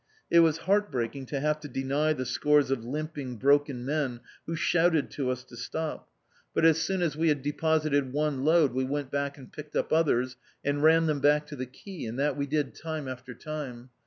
It was heart breaking to have to deny the scores of limping, broken men who shouted to us to stop, but as soon as we had deposited one load we went back and picked up others and ran them back to the quay, and that we did time after time.